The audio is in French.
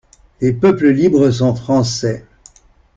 Les peuples libres sont Français!